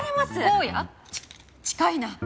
ち近いな。